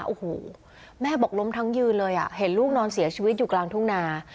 โอ้โหแม่บอกล้มทั้งยืนเลยอ่ะเห็นลูกนอนเสียชีวิตอยู่กลางทุ่งนา